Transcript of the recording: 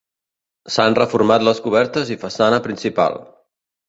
S'han reformat les cobertes i façana principal.